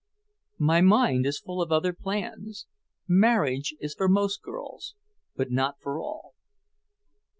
"My mind is full of other plans. Marriage is for most girls, but not for all."